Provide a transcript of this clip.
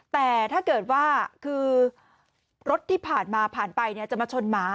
แต่ถ้าเกิดว่าคือรถที่ผ่านมาผ่านไปจะมาชนหมา